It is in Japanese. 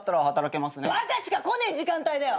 バカしか来ねえ時間帯だよ！